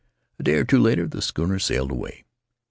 A day or two later the schooner sailed away.